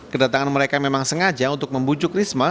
kedatangan mereka memang sengaja untuk membujuk risma